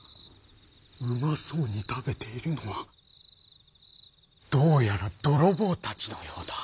うまそうに食べているのはどうやら泥棒たちのようだ」。